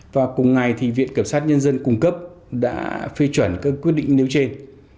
và cùng ngày thì viện cẩm sát nhân dân cùng cấp đã phê chuẩn các quyết định nếu trên